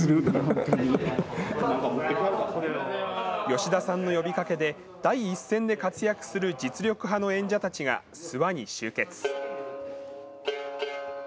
吉田さんの呼びかけで、第一線で活躍する実力者の演者たちが、諏訪に集結。